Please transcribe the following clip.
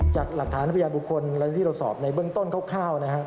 จากหลักฐานพยานบุคคลและที่เราสอบในเบื้องต้นคร่าวนะฮะ